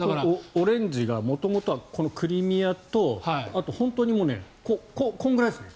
オレンジが元々はクリミアとあと本当にこれくらいですね。